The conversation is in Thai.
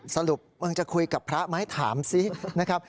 สรุปมึงจะคุยกับพระไหมถามซินะครับ